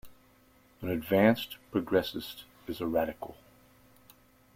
An advanced progressist is a radical.